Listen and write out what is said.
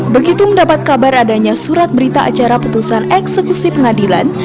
begitu mendapat kabar adanya surat berita acara putusan eksekusi pengadilan